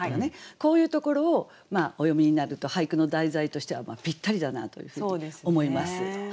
こういうところをお詠みになると俳句の題材としてはぴったりだなというふうに思います。